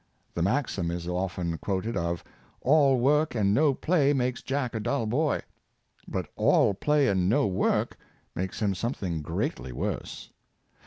The maxim is often quoted of " All work and no play makes Jack a dull boy;" but all play and no work makes him something greatly worse.